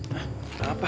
hah gak apa apa